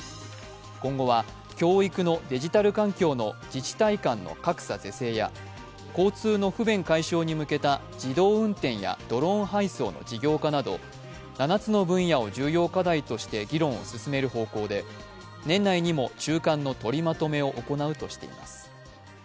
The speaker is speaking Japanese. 今後は教育のデジタル環境の自治体間の格差是正や交通の不便解消に向けた自動運転やドローン配送の事業化など７つの分野を重要課題として議論を進める方向で年内にも中間の取りまとめを行うとしています